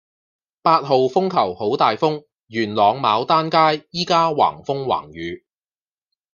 八號風球好大風，元朗牡丹街依家橫風橫雨